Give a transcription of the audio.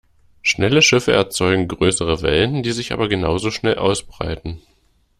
Schnelle Schiffe erzeugen größere Wellen, die sich aber genau so schnell ausbreiten.